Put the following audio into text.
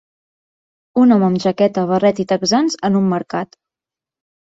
Un home amb jaqueta, barret i texans en un mercat